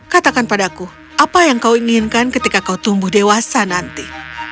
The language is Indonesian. katakan padaku apa yang kau inginkan ketika kau tumbuh dewasa nanti